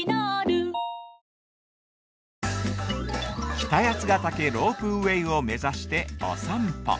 ◆北八ヶ岳ロープウェイを目指して、お散歩。